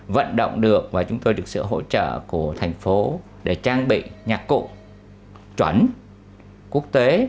vận động được và chúng tôi được sự hỗ trợ của thành phố để trang bị nhạc cụ chuẩn quốc tế